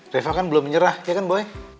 reva kan belum menyerah ya kan boy